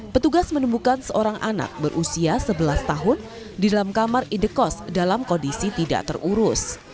petugas menemukan seorang anak berusia sebelas tahun di dalam kamar indekos dalam kondisi tidak terurus